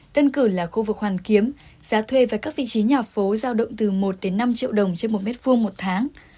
tân cử là khu vực hoàn kiếm giá thuê và các vị trí nhà phố giao động từ một năm triệu đồng trên một m hai một tháng